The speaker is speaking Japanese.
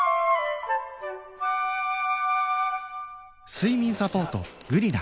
睡眠サポート「グリナ」